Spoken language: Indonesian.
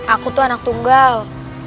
aku tuh anak tunggal